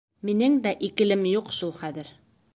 Минең дә «икеле»м юҡ шул хәҙер.